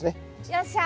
よっしゃ！